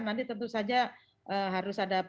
nanti tentu saja harus ada